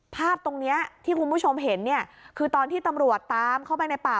ภาพตรงนี้ที่คุณผู้ชมเห็นเนี่ยคือตอนที่ตำรวจตามเข้าไปในป่า